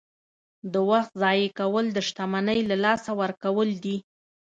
• د وخت ضایع کول د شتمنۍ له لاسه ورکول دي.